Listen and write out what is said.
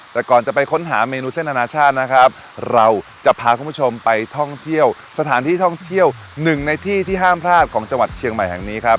แต่ก่อนจะไปค้นหาเมนูเส้นอนาชาตินะครับเราจะพาคุณผู้ชมไปท่องเที่ยวสถานที่ท่องเที่ยวหนึ่งในที่ที่ห้ามพลาดของจังหวัดเชียงใหม่แห่งนี้ครับ